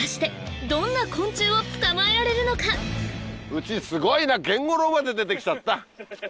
うちすごいなゲンゴロウまで出て来ちゃった！